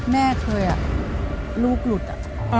แม่เคยลูกหลุดอะ